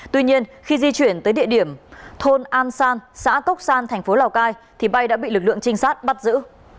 tuy nhiên khi di chuyển tới địa điểm thôn an san xã cốc san thành phố lào cai thì bay đã bị lực lượng trinh sát bắt giữ